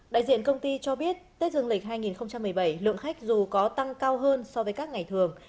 đại diện công ty cho biết tết dương lịch hai nghìn một mươi bảy lượng khách dù có tăng cao hơn so với các ngày thường